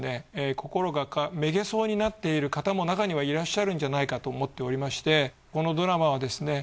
心がめげそうになっている方もなかにはいらっしゃるんじゃないかと思っておりましてこのドラマはですね